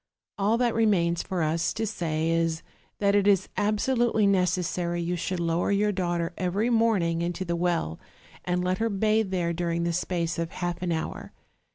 All that re mains for us to say is, that it is absolutely necessary you should lower your daughter every morning into the well, and let her bathe there during the space of half an hour.